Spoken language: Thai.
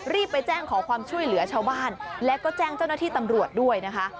รีบไปแจ้งขอความช่วยเหลือชาวบ้านแล้วก็แจ้งเจ้าหน้าที่ตำรวจด้วยนะคะ